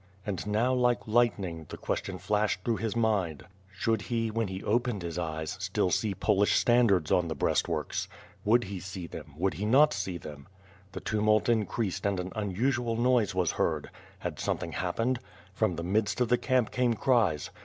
And now, like lightning, the question flashed through his mind '^Should he, when he opened his eyes, still see Polish standards on the breastworks? Would he sec them — would he not see them?" The tumult increased and an unusual noise was heard. Had something happened. From the midst of the camp came cries.